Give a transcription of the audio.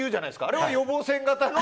あれは予防線型の。